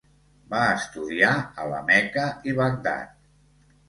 Va estudiar a la Meca i Bagdad.